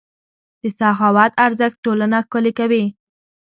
د سخاوت ارزښت ټولنه ښکلې کوي.